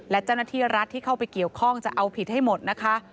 และเจ้าหน้าที่รัฐที่เข้าไปเกี่ยวข้องจะเอาผิดให้หมดนะคะ